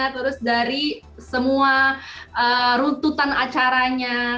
terus dari semua runtutan acaranya